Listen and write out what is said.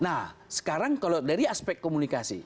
nah sekarang kalau dari aspek komunikasi